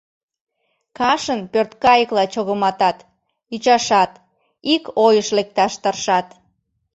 Кашын пӧрткайыкла чогыматат — ӱчашат, ик ойыш лекташ тыршат.